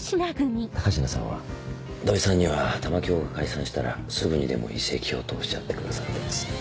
高階さんは土井さんには玉響が解散したらすぐにでも移籍をとおっしゃってくださってます。